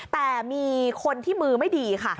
แต่มีคนที่มือไม่ดีค่ะ